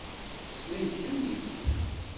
Mmeslayet kan yid-sen.